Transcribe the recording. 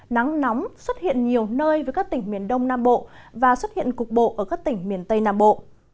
nắng nóng xuất hiện nhiều nơi với các tỉnh miền đông nam bộ và xuất hiện cục bộ ở các tỉnh miền tây nam bộ